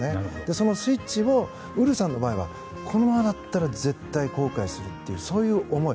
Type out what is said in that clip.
そのスイッチをウルフさんの場合はこのままだったら絶対に後悔するというそういう思い。